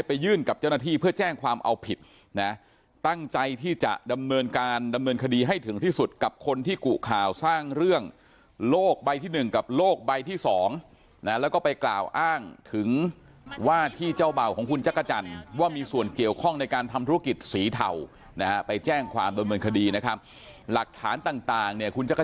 ยื่นกับเจ้าหน้าที่เพื่อแจ้งความเอาผิดนะตั้งใจที่จะดำเนินการดำเนินคดีให้ถึงที่สุดกับคนที่กุข่าวสร้างเรื่องโลกใบที่หนึ่งกับโลกใบที่สองนะแล้วก็ไปกล่าวอ้างถึงว่าที่เจ้าเบ่าของคุณจักรจันทร์ว่ามีส่วนเกี่ยวข้องในการทำธุรกิจสีเทานะฮะไปแจ้งความดำเนินคดีนะครับหลักฐานต่างเนี่ยคุณจักร